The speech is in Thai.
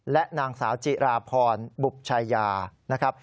และนางสาวจิราพรบุบชายานะครับ